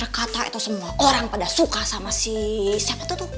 gatau semua orang pada suka sama si siapa tuh